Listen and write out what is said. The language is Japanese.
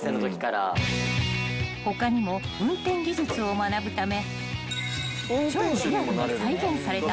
［他にも運転技術を学ぶため］